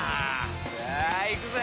さあいくぜ！